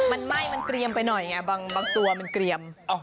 มันไหม้มันเกรียมไปหน่อยไงบางตัวมันเกลียม